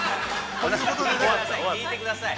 ◆聞いてください。